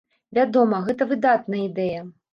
Вядома, гэта выдатная ідэя.